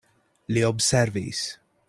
Li observis.